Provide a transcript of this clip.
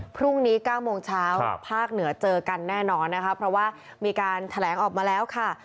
พรุ่งนี้๙โมงเช้าภาคเหนือเจอกันแน่นอนนะคะเพราะว่ามีการแถลงออกมาแล้วค่ะ